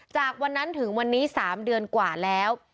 จากวันนั้นถึงวันนี้๓เดือนกว่าแล้ว